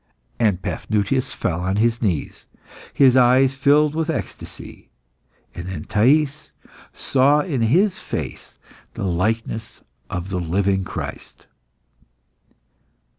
'" And Paphnutius fell on his knees, his eyes filled with ecstasy. And then Thais saw in his face the likeness of the living Christ.